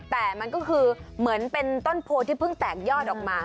แต่มันก็คือเหมือนเป็นต้นโพที่เพิ่งแตกยอดออกมา